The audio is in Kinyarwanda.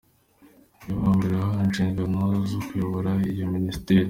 Niwe wa mbere wahawe inshingano zo kuyobora iyo Minisiteri.